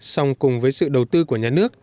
song cùng với sự đầu tư của nhà nước